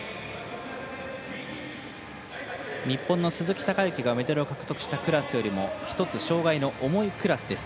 日本の鈴木孝幸がメダルを獲得したクラスよりも１つ障がいの重いクラスです。